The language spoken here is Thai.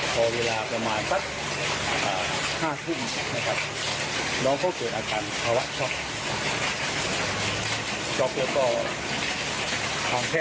พอเวลาประมาณสักอ่าห้าทุ่มนะครับย้องเขาเกิดอาการภะวะช็อค